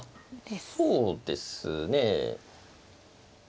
そうですね。